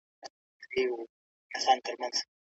په دې مرحله کي تخیل شاته کیږي.